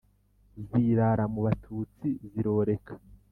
Zirara mu batutsi ziroreka